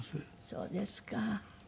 そうですか。